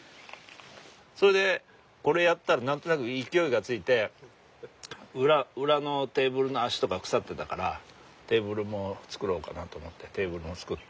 それでこれやったら何となく勢いがついて裏のテーブルの脚とか腐ってたからテーブルも作ろうかなと思ってテーブルも作って。